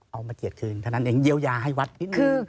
มาเกียรติคืนเท่านั้นเองเยียวยาให้วัดนิดนึง